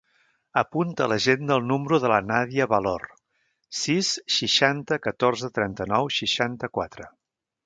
Apunta a l'agenda el número de la Nàdia Valor: sis, seixanta, catorze, trenta-nou, seixanta-quatre.